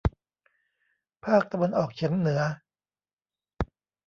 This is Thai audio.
ภาคตะวันออกเฉียงเหนือ